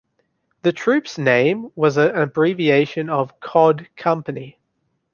The troupe's name was an abbreviation of "Cod Company".